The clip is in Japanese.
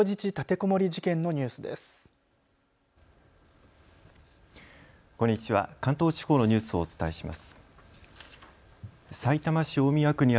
こんにちは、関東地方のニュースをお伝えします。